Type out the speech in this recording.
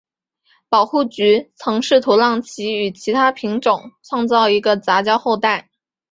保护局曾试图让其与其它品种创造一个杂交后代。